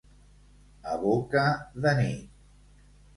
A boca de nit.